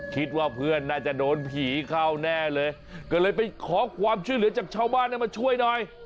คิดว่าเพื่อนน่าจะโดนผีเข้าแน่เลยก็เลยไปขอความช่วยเหลือจากชาวบ้านให้มาช่วยหน่อย